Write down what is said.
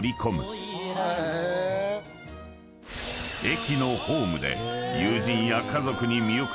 ［駅のホームで］